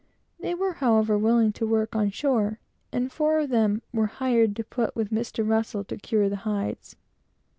They were, however, willing to work on shore, and four of them were hired and put with Mr. Russell to cure the hides.